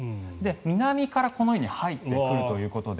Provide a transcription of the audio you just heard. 南からこのように入ってくるということで。